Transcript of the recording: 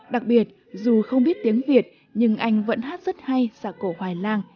đặc biệt dù không biết tiếng việt nhưng anh vẫn hát rất hay giả cổ hoài lang